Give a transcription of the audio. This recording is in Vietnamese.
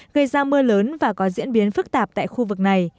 gây ra mưa lớn và có diễn biến phức tạp tại khu vực này